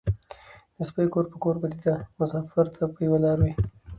ـ د سپيو کور په کور بدي ده مسافر ته په يوه لار وي.